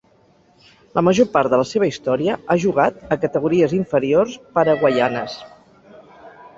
La major part de la seva història ha jugat a categories inferiors paraguaianes.